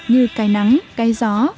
như cây nắng cây gió